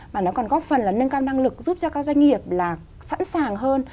mà nó còn góp phần là nâng cao năng lực giúp cho các doanh nghiệp là sẵn sàng hơn